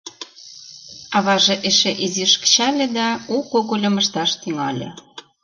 Аваже эше изиш кычале да у когыльым ышташ тӱҥале.